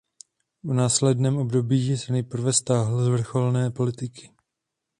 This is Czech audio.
V následném období se nejprve stáhl z vrcholné politiky.